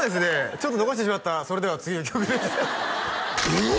ちょっと残してしまったそれでは次の曲ですええ！